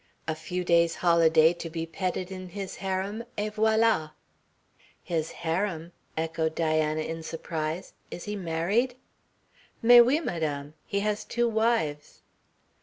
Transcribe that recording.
A few days' holiday to be petted in his harem, et voila!" "His harem?" echoed Diana in surprise. "Is he married?" "Mais oui, Madame. He has two wives."